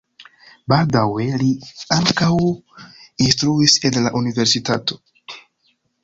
Baldaŭe li ankaŭ instruis en la universitato.